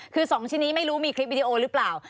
คือ๒ชิ้นนี้ไม่รู้มีคลิปวิดีโอหรือเปล่า